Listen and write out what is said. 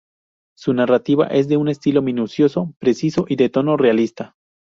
Su narrativa es de un estilo minucioso, preciso y de tono realista.